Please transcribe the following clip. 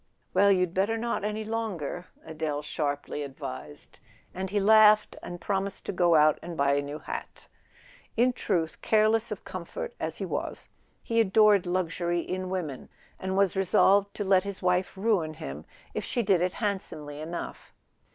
"Well—you'd better not, any longer," Adele sharply advised; and he laughed, and promised to go out and buy a new hat. In truth, careless of comfort as he was, he adored luxury in women, and was resolved to let his wife ruin him if she did it handsomely enough.